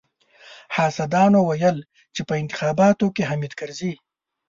حاسدانو ويل چې په انتخاباتو کې حامد کرزي.